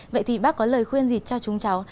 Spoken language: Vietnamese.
vậy thì bác có lời khuyên gì cho chúng cháu